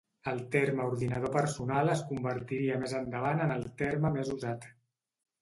El terme ordinador personal es convertiria més endavant en el terme més usat.